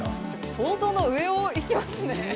想像の上をいきますね。